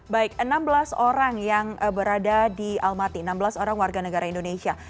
baik enam belas orang yang berada di almaty enam belas orang warga negara indonesia